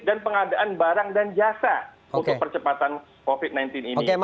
dan pengadaan barang dan jasa untuk percepatan covid sembilan belas ini